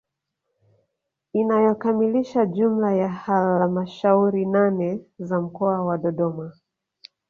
Inayokamilisha jumla ya halamashauri nane za mkoa wa Dodoma